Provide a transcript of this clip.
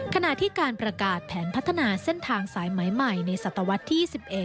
ขณะที่การประกาศแผนพัฒนาเส้นทางสายไหมใหม่ในศตวรรษที่๒๑